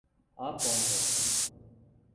آپ کون ہو؟